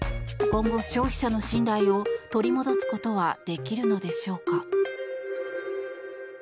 今後、消費者の信頼を取り戻すことはできるのでしょうか。